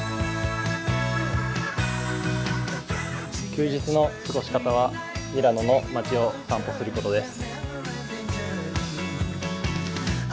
休日の過ごし方はミラノの街を散歩することです。